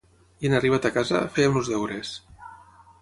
I en arribat a casa, fèiem els deures.